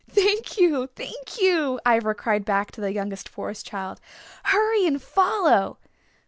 "Thank you, thank you," Ivra cried back to the youngest Forest Child. "Hurry and follow."